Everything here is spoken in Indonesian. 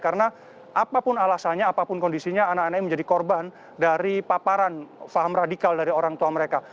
karena apapun alasannya apapun kondisinya anak anak ini menjadi korban dari paparan faham radikal dari orang tua mereka